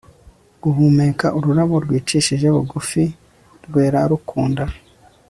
Guhumeka ururabo rwicishije bugufi rwera rukunda